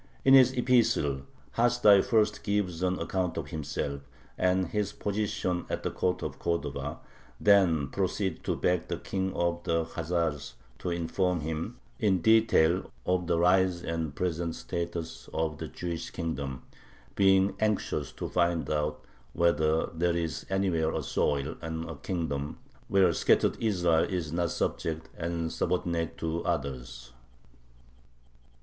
In his epistle Hasdai first gives an account of himself and his position at the court of Cordova, and then proceeds to beg the King of the Khazars to inform him in detail of the rise and present status of "the Jewish kingdom," being anxious to find out "whether there is anywhere a soil and a kingdom where scattered Israel is not subject and subordinate to others."